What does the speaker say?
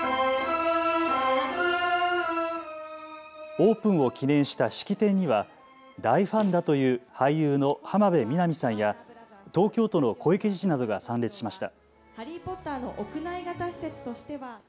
オープンを記念した式典には大ファンだという俳優の浜辺美波さんや東京都の小池知事などが参列しました。